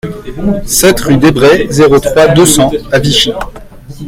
sept rue Desbrest, zéro trois, deux cents à Vichy